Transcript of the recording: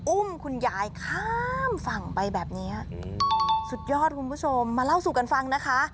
อุ้มคุณยายข้ามฝั่งไปแบบเนี้ยสุดยอดคุณผู้ชมมาเล่าสู่กันฟังนะคะ